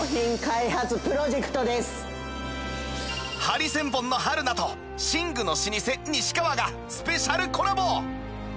ハリセンボンの春菜と寝具の老舗西川がスペシャルコラボ！